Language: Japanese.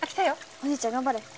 お兄ちゃん頑張れ。